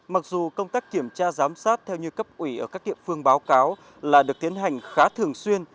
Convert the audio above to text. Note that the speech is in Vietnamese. mặc dù công tác kiểm tra giám sát theo như cấp ủy ở các địa phương báo cáo là được tiến hành khá thường xuyên